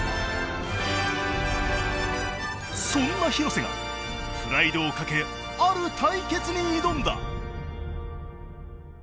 そんな廣瀬がプライドを懸けある対決に挑んだ。